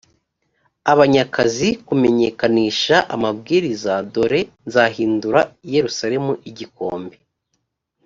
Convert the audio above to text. abanyakazi kumenyekanisha amabwiriza dore nzahindura i yerusalemu igikombe